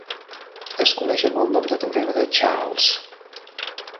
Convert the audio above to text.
Es coneix amb el nom de teorema de Chasles.